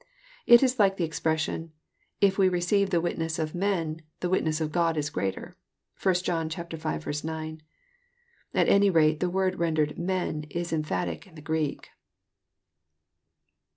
It is like the expression, " If we receive the witness of men, the witness of God is greater." (1 John v. 9.) At any rate the i/^rd rendered " men " is emphatic in the Greek.